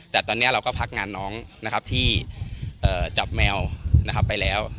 แต่ตอนนี้เราก็พักงานน้องนะครับที่จับแมวไปแล้ว